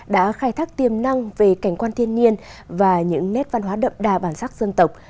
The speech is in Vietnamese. đã khai thác tiềm năng về cảnh quan thiên nhiên và những nét văn hóa đậm đà bản sắc dân tộc